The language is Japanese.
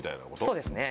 そうですね